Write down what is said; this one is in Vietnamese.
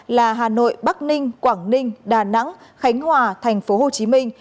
là hà nội bắc ninh quảng ninh đà nẵng khánh hòa thành phố hồ chí minh